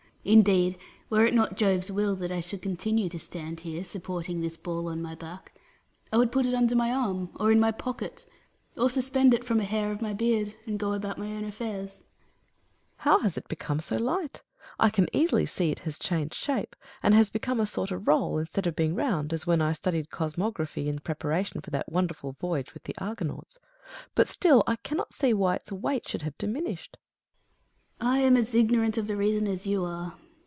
Indeed, were it not Jove's will that I should continue to stand here, supporting this ball on my back, I would put it under my arm, or in my pocket, or suspend it from a hair of my beard, and go about my own affairs. Hercules. How has it become so light ? I can easily see it has changed shape, and has become a sort of roll, instead of being round as when I studied cosmography in preparation for that wonderful voyage with the Argo nauts. But still I cannot see why its weight should have diminished. Atlas. I am as ignorant of the reason as you are.